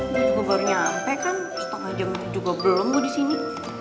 gue juga baru nyampe kan setengah jam juga belum gue disini